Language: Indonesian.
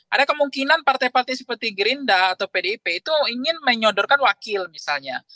ada kemungkinan partai partai seperti gerinda atau pdip itu ingin menyodorkan wakil misalnya